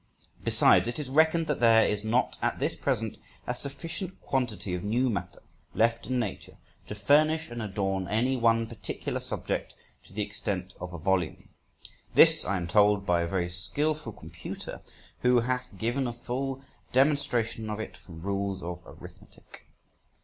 Besides, it is reckoned that there is not at this present a sufficient quantity of new matter left in Nature to furnish and adorn any one particular subject to the extent of a volume. This I am told by a very skilful computer, who hath given a full demonstration of it from rules of arithmetic.